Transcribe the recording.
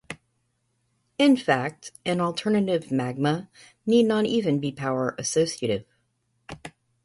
In fact, an alternative magma need not even be power-associative.